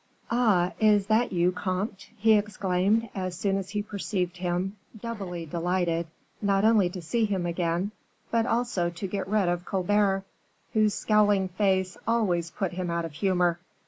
"Ah, is that you, comte?" he exclaimed, as soon as he perceived him, doubly delighted, not only to see him again, but also to get rid of Colbert, whose scowling face always put him out of humor.